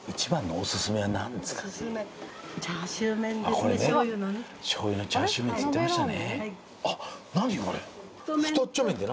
これねしょうゆのチャーシュー麺っつってましたね。